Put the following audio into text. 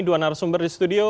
duan arsumber di studio